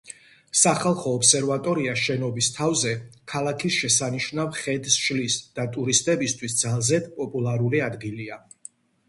სახალხო ობსერვატორია შენობის თავზე ქალაქის შესანიშნავ ხედს შლის და ტურისტებისთვის ძალზედ პოპულარული ადგილია.